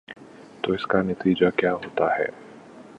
تو اس کا نتیجہ کیا ہو تا ہے۔